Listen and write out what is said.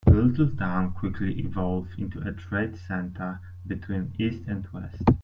The little town quickly evolved into a trade center between east and west.